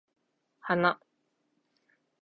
花